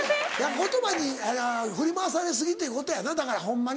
言葉に振り回され過ぎということやなだからホンマに。